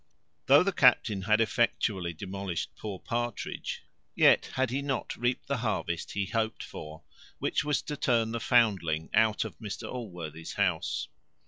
Though the captain had effectually demolished poor Partridge, yet had he not reaped the harvest he hoped for, which was to turn the foundling out of Mr Allworthy's house.